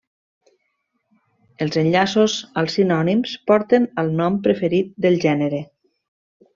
Els enllaços als sinònims porten al nom preferit del gènere.